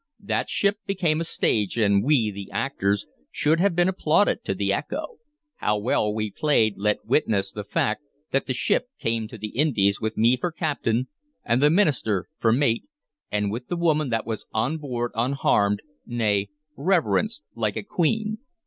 That ship became a stage, and we, the actors, should have been applauded to the echo. How well we played let witness the fact that the ship came to the Indies, with me for captain and the minister for mate, and with the woman that was on board unharmed; nay, reverenced like a queen.